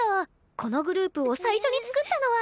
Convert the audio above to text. このグループを最初に作ったのは。